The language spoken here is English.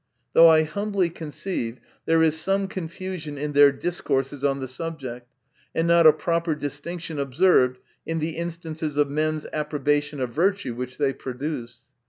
Though I humbly conceive, there is some confusion in their discourses on the subject, and not a proper distinction observed in the instances of men's approbation of virtue, which they produce.